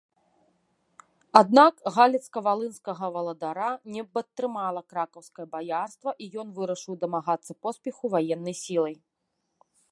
Аднак галіцка-валынскага валадара не падтрымала кракаўскае баярства і ён вырашыў дамагацца поспеху ваеннай сілай.